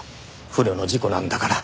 不慮の事故なんだから。